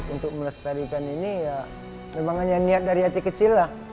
untuk melestarikan ini ya memang hanya niat dari hati kecil lah